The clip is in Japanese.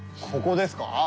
ここですか？